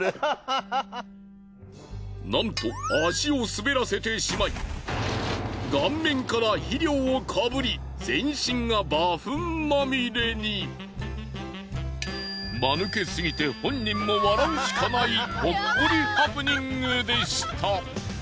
なんと足を滑らせてしまい顔面から肥料をかぶりマヌケすぎて本人も笑うしかないほっこりハプニングでした。